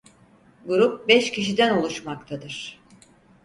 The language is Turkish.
Grup beş kişiden oluşmaktadır.